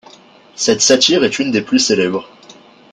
Cette satire est une des plus célèbres.